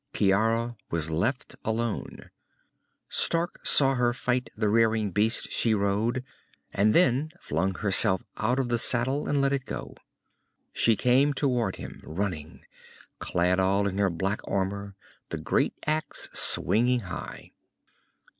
Ciara was left alone. Stark saw her fight the rearing beast she rode and then flung herself out of the saddle and let it go. She came toward him, running, clad all in her black armor, the great axe swinging high.